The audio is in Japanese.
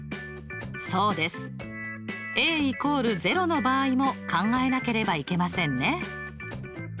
そうです。＝０の場合も考えなければいけませんね。